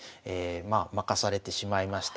まあ負かされてしまいました。